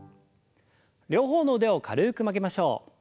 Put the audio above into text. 両方の腕を軽く曲げましょう。